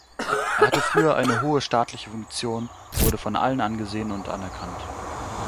Er hatte früher eine hohe staatliche Funktion, wurde von allen angesehen und anerkannt.